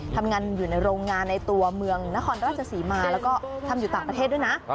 ทำงานอยู่ในโรงงานในตัวเมืองนครราชศรีมาแล้วก็ทำอยู่ต่างประเทศด้วยนะ